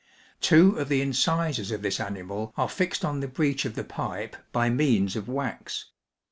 Two of the incisors of this animal are fixed on the breech of the pipe by means of wax.